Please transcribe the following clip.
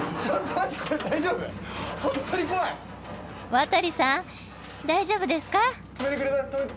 ワタリさん大丈夫ですか？